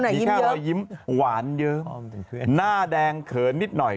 มีแค่รอยยิ้มหวานเยิ้มหน้าแดงเขินนิดหน่อย